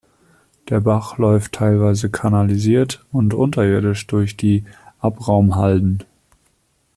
Der Bach läuft teilweise kanalisiert und unterirdisch durch die Abraumhalden.